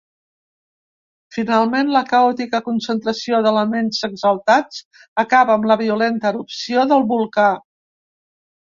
Finalment la caòtica concentració d'elements exaltats acaba amb la violenta erupció del volcà.